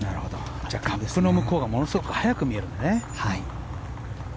カップの向こうがものすごく早く見えるんだね。